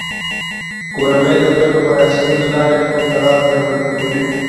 کورنۍ د ګډو مراسمو له لارې خپل تړاو پیاوړی کوي